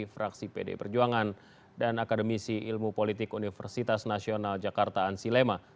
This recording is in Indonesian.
fraksi pd perjuangan dan akademisi ilmu politik universitas nasional jakarta ansi lema